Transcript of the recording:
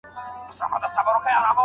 قرباني ورکول د کورنۍ د پلار کار دی.